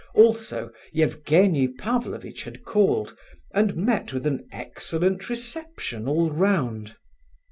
Also Evgenie Pavlovitch had called, and met with an excellent reception all round.